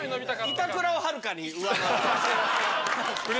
板倉をはるかに上回ってます。